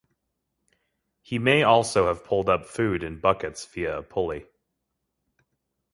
He may also have pulled up food in buckets via a pulley.